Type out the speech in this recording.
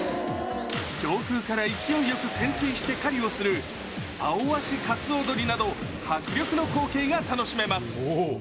上空から勢いよく潜水して狩りをするアオアシカツオドリなど、迫力の光景が楽しめます。